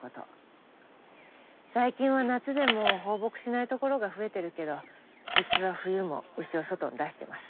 最近は夏でも放牧しないところが増えてるけどうちは冬も牛を外に出してます。